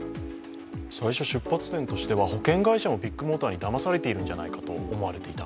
最初、出発点としては保険会社がビッグモーターにだまされていたのではないかと言われていた。